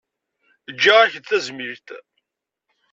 Ǧǧiɣ-ak-d tazmilt.